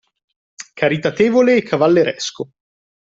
Caritatevole e cavalleresco